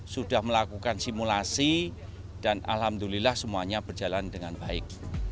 sudah melakukan simulasi dan alhamdulillah semuanya berjalan dengan baik